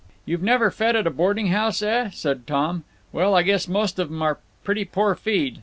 "You've never fed at a boarding house, eh?" said Tom. "Well, I guess most of 'em are pretty poor feed.